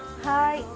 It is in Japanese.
はい。